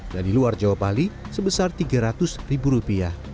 dan di luar jawa bali sebesar rp tiga ratus